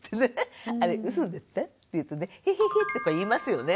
あれうそだった？」って言うとね「ヘヘヘッ」とか言いますよね。